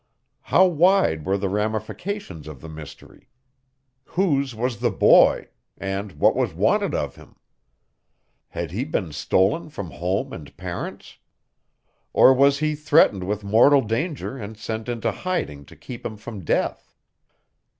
How wide were the ramifications of the mystery? Whose was the boy, and what was wanted of him? Had he been stolen from home and parents? Or was he threatened with mortal danger and sent into hiding to keep him from death?